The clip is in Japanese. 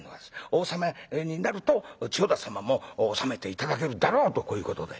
お納めになると千代田様も納めて頂けるだろうとこういうことで。